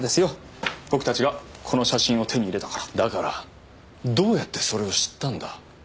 僕たちがこの写真を手に入れたからだからどうやってそれを知ったんだ？